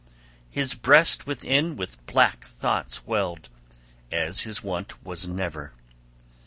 His breast within with black thoughts welled, as his wont was never.